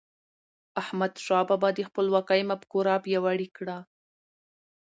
احمدشاه بابا د خپلواکی مفکوره پیاوړې کړه.